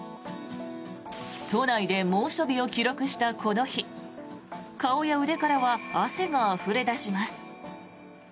都内で猛暑日を記録したこの日顔や腕からは汗があふれ出します。